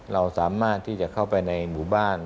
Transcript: เราสามารถที่จะเข้าไปในหมู่บ้าน